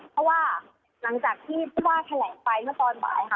เพราะว่าหลังจากที่ผู้ว่าแถลงไปเมื่อตอนบ่ายค่ะ